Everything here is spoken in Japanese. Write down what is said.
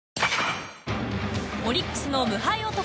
オリックスの無敗男